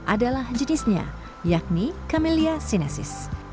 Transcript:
adalah jenisnya yakni camellia sinensis